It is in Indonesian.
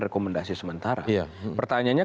rekomendasi sementara pertanyaannya